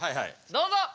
どうぞ！